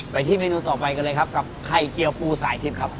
ไปที่เมนูต่อไปกันเลยครับกับไข่เจียวปูสายทิพย์ครับ